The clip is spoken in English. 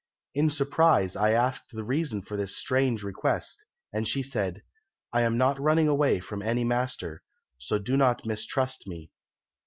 "'In surprise I asked the reason for this strange request, and she said, "I am not running away from any master, so do not mistrust me."